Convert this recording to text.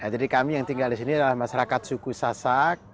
jadi kami yang tinggal di sini adalah masyarakat suku sasak